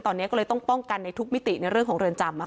ตอนนี้ก็เลยต้องป้องกันในทุกมิติในเรื่องของเรือนจำ